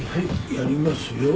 やりますよ。